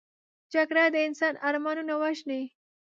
جګړه د انسان ارمانونه وژني